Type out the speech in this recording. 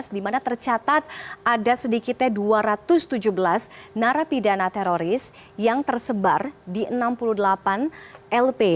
di mana tercatat ada sedikitnya dua ratus tujuh belas narapidana teroris yang tersebar di enam puluh delapan lp